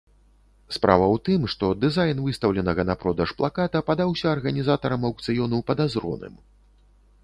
Справа ў тым, што дызайн выстаўленага на продаж плаката падаўся арганізатарам аўкцыёну падазроным.